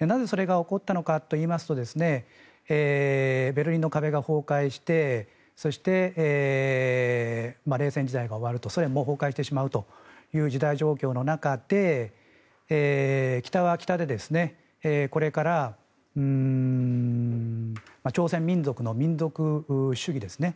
なぜそれが行ったのかというとベルリンの壁が崩壊してそして、冷戦時代が終わるとソ連が崩壊してしまうという時代状況の中で北は北で、これから朝鮮民族の民族主義ですね